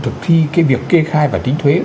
thực thi cái việc kê khai và tính thuế